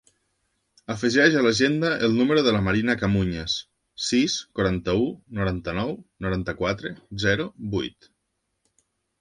Afegeix a l'agenda el número de la Marina Camuñas: sis, quaranta-u, noranta-nou, noranta-quatre, zero, vuit.